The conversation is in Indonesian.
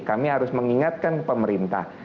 kami harus mengingatkan pemerintah